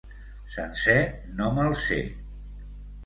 Sencer, no me’l sé.